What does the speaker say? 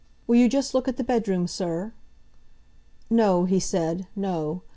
"Will you just look at the bedroom, sir?" "No," he said, "no.